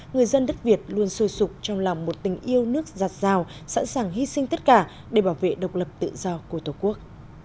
người dân đất việt luôn sôi sụp trong lòng một tình yêu nước giặt rào sẵn sàng hy sinh tất cả để bảo vệ độc lập tự do của tổ quốc